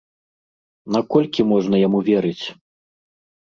Наколькі можна яму верыць?